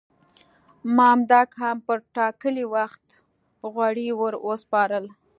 مامدک هم پر ټاکلي وخت غوړي ور وسپارل.